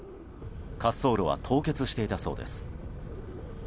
滑走路は凍結していたそうです。